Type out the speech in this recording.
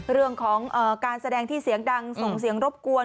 เรื่องของการแสดงที่เสียงดังส่งเสียงรบกวน